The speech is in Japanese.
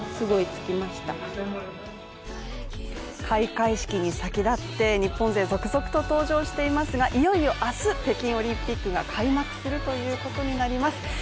開会式に先立って日本勢、続々と登場していますが、いよいよ、明日北京オリンピックが開幕するということになります。